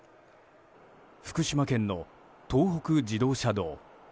福島県の東北自動車道。